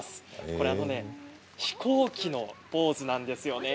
これは飛行機のポーズなんですよね。